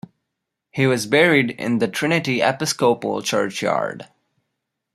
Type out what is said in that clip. He was buried in the Trinity Episcopal Churchyard.